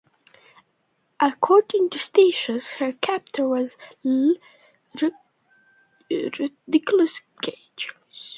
According to Statius, her captor was Rutilius Gallicus.